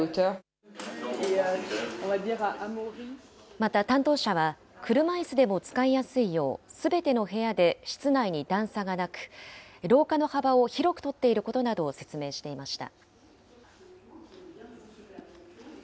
また担当者は、車いすでも使いやすいよう、すべての部屋で室内に段差がなく、廊下の幅を広く取っていることなどを説明していました。